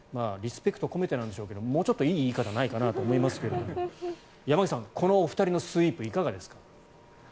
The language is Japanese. リスペクトを込めてなんでしょうけどもうちょっといい言い方はないかなと思いますが山口さん、このお二人のスイープいかがですか。